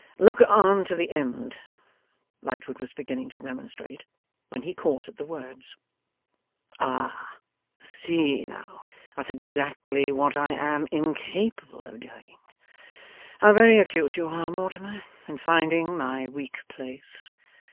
'Look on to the end ' Lightwood was beginning to remonstrate, when he caught at the words: 'Ah! See now! That's exactly what I am incapable of doing. How very acute you are, Mortimer, in finding my weak place!